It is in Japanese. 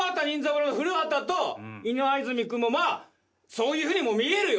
古畑と今泉君もまあそういうふうにも見えるよ